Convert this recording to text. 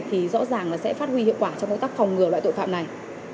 thì rõ ràng là sẽ phát huy hiệu quả trong công tác phòng ngừa loại tội phạm này